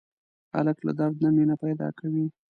هلک له درد نه مینه پیدا کوي.